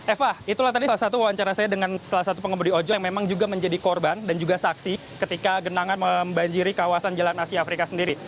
eva itulah tadi salah satu wawancara saya dengan salah satu pengemudi ojol yang memang juga menjadi korban dan juga saksi ketika genangan membanjiri kawasan jalan asia afrika sendiri